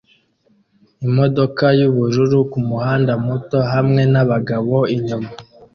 Imodoka yubururu kumuhanda muto hamwe nabagabo inyuma